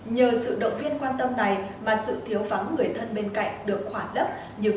nhờ sự động viên quan tâm này mà sự thiếu vắng người thân bên cạnh được khoản lấp